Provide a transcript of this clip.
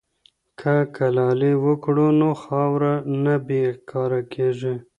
که کلالي وکړو نو خاوره نه بې کاره کیږي.